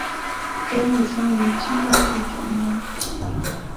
周珏生于清光绪九年。